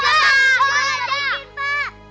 bawa aja pak